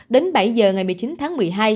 đến bảy giờ ngày một mươi chín tháng một mươi hai